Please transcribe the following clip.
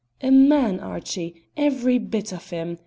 "A man! Archie, every bit of him!"